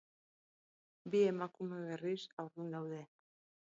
Bi emakume, berriz, haurdun daude.